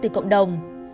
từ cộng đồng